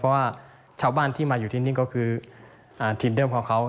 เพราะว่าชาวบ้านที่มาอยู่ที่นี่ก็คือทีมเดิมของเขา